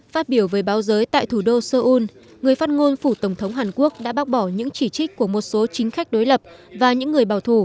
phát biểu với báo giới tại thủ đô seoul người phát ngôn phủ tổng thống hàn quốc đã bác bỏ những chỉ trích của một số chính trị